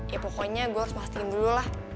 ya pokoknya gue harus pastiin dulu lah